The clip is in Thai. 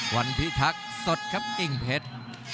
วันผิดภักด์สดครับอิ่งเพชร